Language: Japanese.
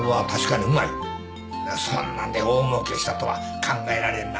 そんなんで大もうけしたとは考えられへんな。